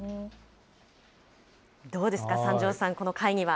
どうですか、三條さん、この会議は。